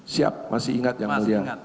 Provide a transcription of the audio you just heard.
siap masih ingat ya